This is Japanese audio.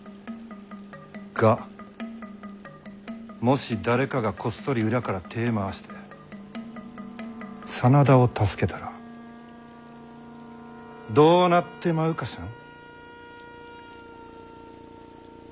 がもし誰かがこっそり裏から手ぇ回して真田を助けたらどうなってまうかしゃん？